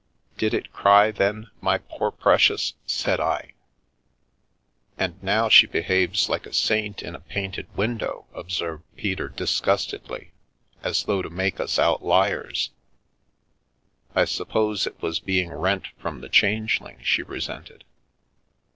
" Did it cry then, my poor precious ?" said I. " And now she behaves like a saint in a painted win dow," observed Peter disgustedly, " as though to make us out liars. I suppose it was being rent from the Changeling she resented.